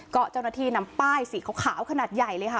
ก็เจ้าหน้าที่นำป้ายสีขาวขนาดใหญ่เลยค่ะ